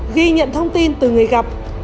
ghi nhận thông tin từ người gặp